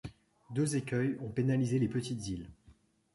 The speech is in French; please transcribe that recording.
Deux écueils ont pénalisé les petites îles.